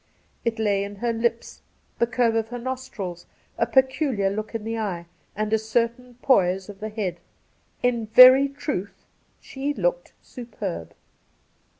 It lay in her lips, the curve of the nostrils, a peculiar look in the eye, and a certain poise of the head. In very truth, she looked superb.